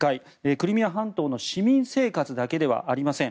クリミア半島の市民生活だけではありません。